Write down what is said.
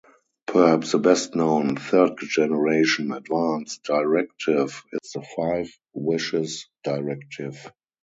Perhaps the best known third-generation advance directive is the Five Wishes directive.